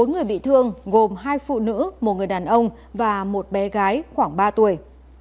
bốn người bị thương gồm hai phụ nữ một người đàn ông và một bé gái khoảng ba tuổi